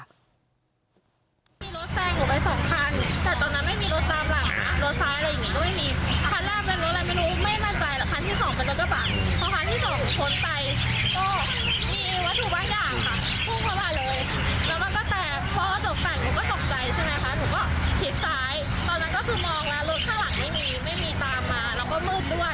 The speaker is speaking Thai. เห็นว่ามันแตกเยอะมากก็เลยเข้าปั๊ม